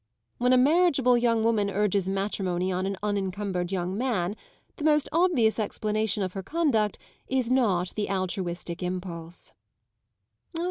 When a marriageable young woman urges matrimony on an unencumbered young man the most obvious explanation of her conduct is not the altruistic impulse.